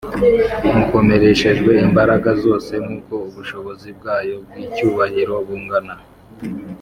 mukomereshejwe imbaraga zose nk’uko ubushobozi bwayo bw’icyubahiro bungana